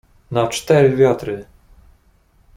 "Na cztery wiatry!"